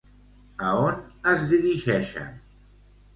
A on es dirigeixen?